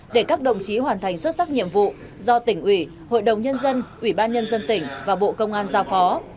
để các đồng chí hoàn thành xuất sắc nhiệm vụ do tỉnh ủy hội đồng nhân dân ủy ban nhân dân tỉnh và bộ công an giao phó